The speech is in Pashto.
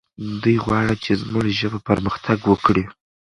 دی غواړي چې زموږ ژبه پرمختګ وکړي.